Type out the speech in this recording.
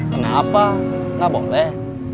kenapa nggak boleh